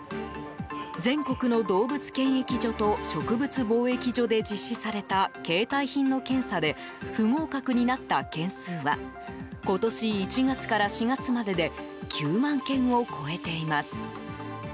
全国の動物検疫所と植物防疫所で実施された携帯品の検査で不合格になった件数は今年１月から４月までで９万件を超えています。